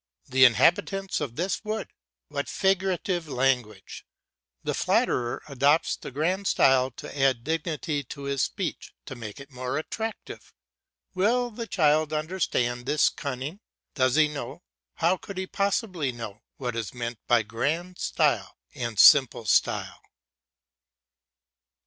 "The inhabitants of this wood." What figurative language! The flatterer adopts the grand style to add dignity to his speech, to make it more attractive. Will the child understand this cunning? Does he know, how could he possibly know, what is meant by grand style and simple style?